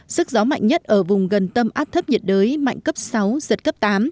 sức gió mạnh nhất ở vùng gần tâm áp thấp nhiệt đới mạnh cấp sáu giật cấp tám